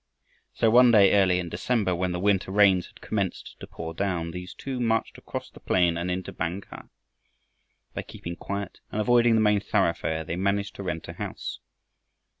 So one day early in December, when the winter rains had commenced to pour down, these two marched across the plain and into Bang kah. By keeping quiet and avoiding the main thoroughfare, they managed to rent a house.